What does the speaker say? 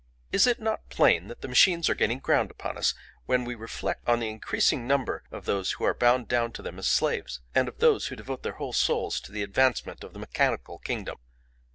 Is it not plain that the machines are gaining ground upon us, when we reflect on the increasing number of those who are bound down to them as slaves, and of those who devote their whole souls to the advancement of the mechanical kingdom?